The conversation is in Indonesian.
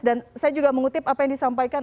dan saya juga mengutip apa yang disampaikan